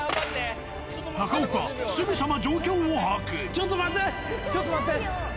中岡、ちょっと待って、ちょっと待って。